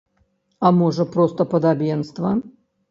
А можа, проста падабенства.